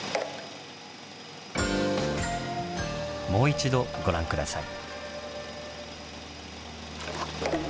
もう一度ご覧下さい。